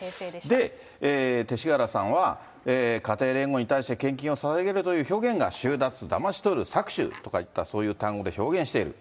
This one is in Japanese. で、勅使河原さんは、家庭連合に対して献金をささげるという表現が収奪、だまし取る、搾取とかいった、そういう単語で表現している。